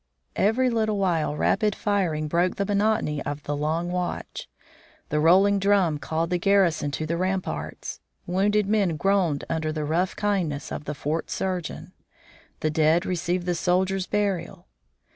Every little while rapid firing broke the monotony of the long watch; the rolling drum called the garrison to the ramparts; wounded men groaned under the rough kindness of the fort surgeon; the dead received the soldiers' burial.